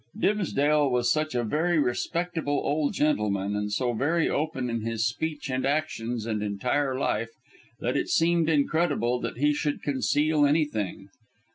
Dimsdale was such a very respectable old gentleman, and so very open in his speech and actions and entire life, that it seemed incredible he should conceal anything.